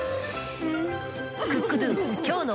うん！